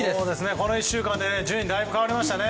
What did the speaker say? この１週間で順位がだいぶ変わりましたね。